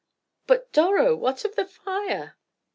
"But, Doro, what of the fire?"